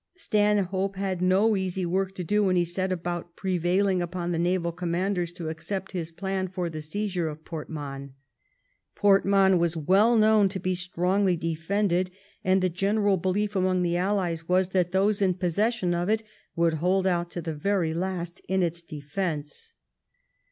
Stanhope 32 THE REIGN OF QUEEN ANNE. oh xxn. had no easy work to do when he set about prevailing upon the naval commanders to accept his plan for the seizure of Port Mahon. Port Mahon was well known to be strongly defended, and the general behef among the Allies was that those in possession of it would hold out to the very last in its defence.